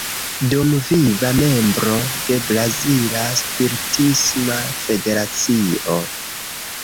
Dumviva membro de Brazila Spiritisma Federacio.